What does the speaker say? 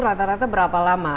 rata rata berapa lama